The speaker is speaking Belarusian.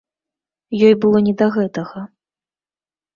Ёй было не да гэтага.